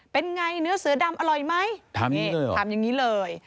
เป็นไงเนื้อเสือดำอร่อยไหมถามนี่ถามอย่างนี้เลย